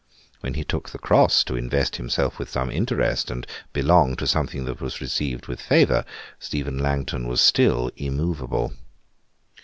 When he took the Cross to invest himself with some interest, and belong to something that was received with favour, Stephen Langton was still immovable.